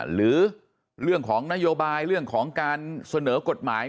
หรือเรื่องของนโยบายเรื่องของการเสนอกฎหมาย